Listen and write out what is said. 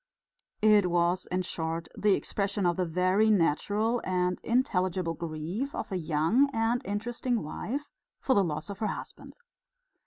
It was, in short, the expression of the very natural and intelligible grief of a young and interesting wife for the loss of her husband.